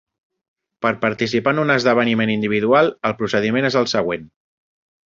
Per participar en un esdeveniment individual, el procediment és el següent.